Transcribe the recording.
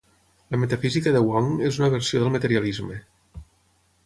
La metafísica de Wang és una versió del materialisme.